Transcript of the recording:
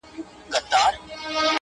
دا بېچاره به ښـايــي مــړ وي _